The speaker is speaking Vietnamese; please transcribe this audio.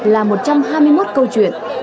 là một trăm hai mươi một câu chuyện